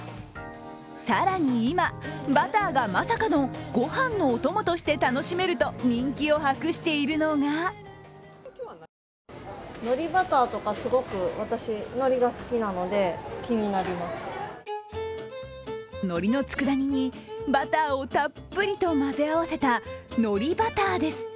更に今、バターがまさかのご飯のお供として楽しめると人気を博しているのがのりのつくだ煮にバターをたっぷりと混ぜ合わせた、海苔バターです。